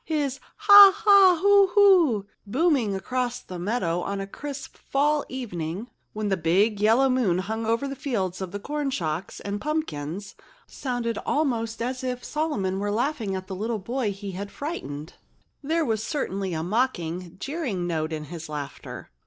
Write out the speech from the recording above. His "haw haw hoo hoo," booming across the meadow on a crisp fall evening, when the big yellow moon hung over the fields of corn shocks and pumpkins, sounded almost as if Solomon were laughing at the little boy he had frightened. There was certainly a mocking, jeering note in his laughter.